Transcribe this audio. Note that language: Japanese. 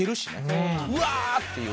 「うわあ！」っていう。